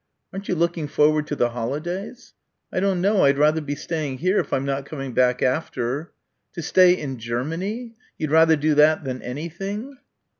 "Aren't you looking forward to the holidays?" "I don't know. I'd rather be staying here if I'm not coming back after." "To stay in Germany? You'd rather do that than anything?"